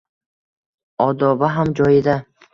Odobi ham joyida.